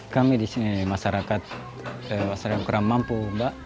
kami di sini masyarakat yang kurang mampu mbak